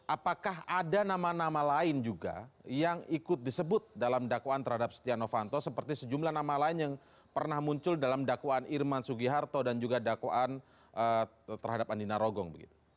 apakah ada nama nama lain juga yang ikut disebut dalam dakwaan terhadap setia novanto seperti sejumlah nama lain yang pernah muncul dalam dakwaan irman sugiharto dan juga dakwaan terhadap andina rogong